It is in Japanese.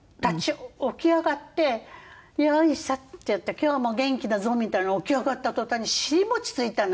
起き上がって「よいさ」ってやって今日も元気だぞみたいな起き上がった途端にしりもちついたのよ。